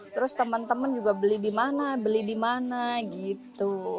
terus teman teman juga beli di mana beli di mana gitu